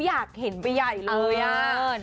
อยากเห็นไปใหญ่เลยเออยัง